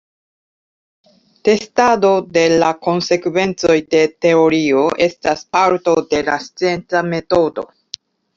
Testado de la konsekvencoj de teorio estas parto de la scienca metodo.